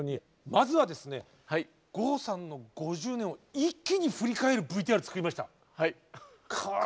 まずはですね郷さんの５０年を一気に振り返るＶＴＲ作りました。